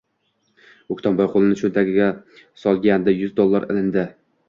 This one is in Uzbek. O`ktamboy qo`lini cho`ntagiga solgandi yuz dollar ilindi